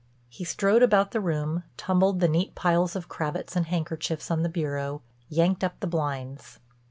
He strode about the room, tumbled the neat piles of cravats and handkerchiefs on the bureau, yanked up the blinds.